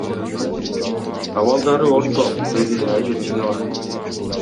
Абалдары орто, — деди Айгерчинова.